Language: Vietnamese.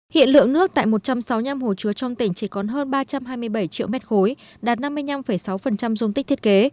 hiện lượng nước tại một trăm sáu mươi năm hồ chứa trong tỉnh chỉ còn hơn ba trăm hai mươi bảy triệu mét khối đạt năm mươi năm sáu dung tích thiết kế